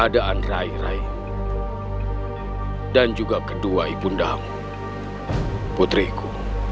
dan masuk ke istanaku